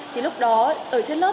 thì lúc đó ở trên lớp